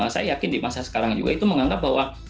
saya yakin di masa sekarang juga itu menganggap bahwa